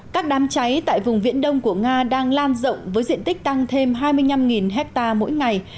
các đám cháy tại vùng viễn đông của nga đang lan rộng với diện tích tăng thêm hai mươi năm hectare mỗi ngày